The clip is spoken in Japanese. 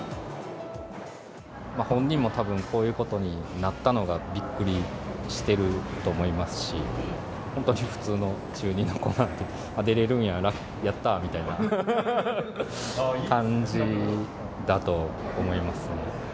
本人もたぶん、こういうことになったのがびっくりしてると思いますし、本当に普通の中２の子なんで、出れるんやな、やったーみたいな感じだと思いますね。